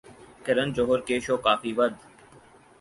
کرن جوہر کے show Koffee with